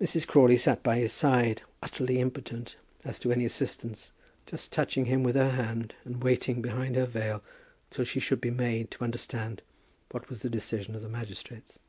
Mrs. Crawley sat by his side, utterly impotent as to any assistance, just touching him with her hand, and waiting behind her veil till she should be made to understand what was the decision of the magistrates.